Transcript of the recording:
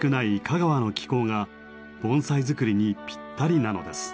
香川の気候が盆栽作りにピッタリなのです。